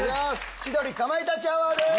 『千鳥かまいたちアワー』です